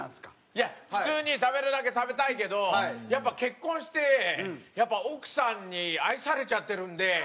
いや普通に食べられるだけ食べたいけどやっぱ結婚して奥さんに愛されちゃってるんで。